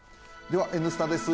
では「Ｎスタ」です。